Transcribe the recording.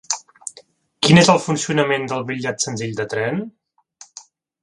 Quin és el funcionament del bitllet senzill de tren?